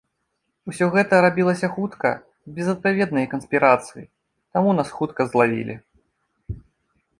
Усё гэта рабілася хутка, без адпаведнай канспірацыі, таму нас хутка злавілі.